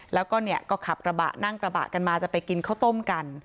และก็ขับกระบะนั่งกระบะกันมาจะไปกินข้าวต้มกัน